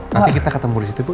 nanti kita ketemu di situ bu